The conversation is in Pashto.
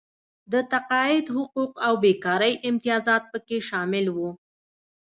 د تقاعد حقوق او بېکارۍ امتیازات پکې شامل وو.